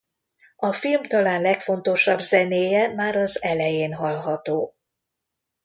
A film talán legfontosabb zenéje már az elején hallható.